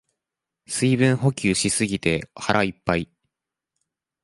水分補給しすぎて腹いっぱい